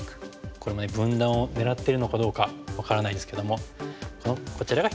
これも分断を狙ってるのかどうか分からないですけどもこちらが一つ。